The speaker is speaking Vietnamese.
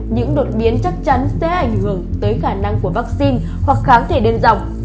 những đột biến chắc chắn sẽ ảnh hưởng tới khả năng của vaccine hoặc kháng thể đơn dọc